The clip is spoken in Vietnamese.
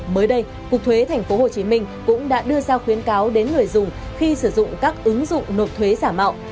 mới đây cục thuế tp hcm cũng đã đưa ra khuyến cáo đến người dùng khi sử dụng các ứng dụng nộp thuế giả mạo